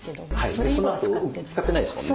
そのあと使ってないですもんね。